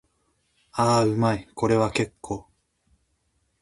ああ、うまい。これは結構。